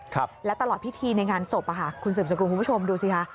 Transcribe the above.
ครับและตลอดพิธีในงานศพคุณศึกร์กรูข์คุณผู้ชมดูดสิค่ะ